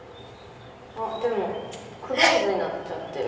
でもクローズになっちゃってる。